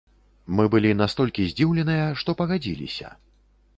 Мы былі настолькі здзіўленыя, што пагадзіліся.